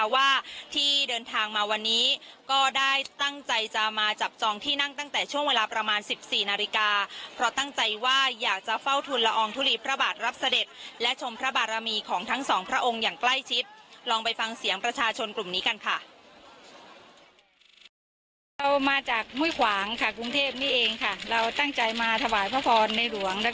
ว่าที่เดินทางมาวันนี้ก็ได้ตั้งใจจะมาจับจองที่นั่งตั้งแต่ช่วงเวลาประมาณ๑๔นาฬิกาเพราะตั้งใจว่าอยากจะเฝ้าทุนละอองทุลีพระบาทรับเสด็จและชมพระบารมีของทั้งสองพระองค์อย่างใกล้ชิดลองไปฟังเสียงประชาชนกลุ่มนี้กันค่ะเราตั้งใจมาถวายพระพรในหลวง